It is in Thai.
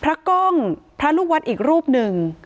พระก้มพระลูกวัดอีกรูปหนึ่ง